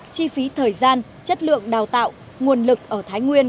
chi phí thời gian chất lượng đào tạo nguồn lực ở thái nguyên